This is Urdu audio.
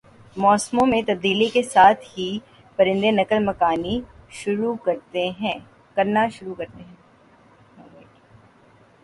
موسموں میں تبدیلی کے ساتھ ہی پرندے نقل مکانی کرنا شروع کرتے ہیں